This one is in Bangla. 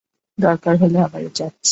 দরকার হলে আবারও চাচ্ছি।